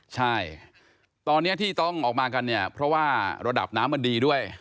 ใช่ตอนนี้ที่ต้องออกมากันเนี่ยเพราะว่าระดับน้ำมันดีด้วย